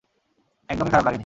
একদমই খারাপ লাগেনি।